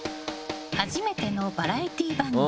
初めてのバラエティー番組